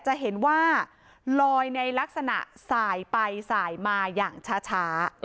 จะเห็นว่าลอยในลักษณะสายไปสายมาอย่างช้า